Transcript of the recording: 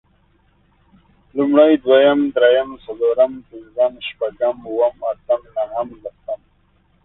لومړی، دويم، درېيم، څلورم، پنځم، شپږم، اووم، اتم نهم، لسم